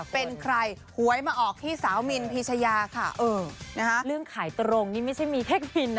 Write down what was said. เป็นใครหวยมาออกที่สาวมินพีชยาค่ะเออนะคะเรื่องขายตรงนี่ไม่ใช่มีเทคนินนะ